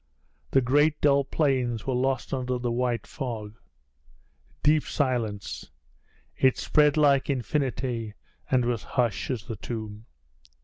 The great dull plains were lost under the white fog. Deep silence. It spread like infinity, and was hush as the tomb.